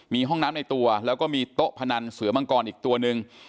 มีห้องน้ำในตัวแล้วก็มีโต๊ะพนันเสือมังกรอีกตัวหนึ่ง